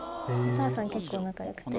パーさん結構仲良くて。